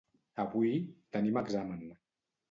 Avui tenim examen.